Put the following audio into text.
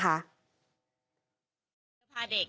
เขากลับมาพาเด็ก